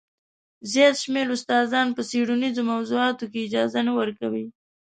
زیات شمېر استادان په څېړنیزو موضوعاتو کې اجازه نه ورکوي.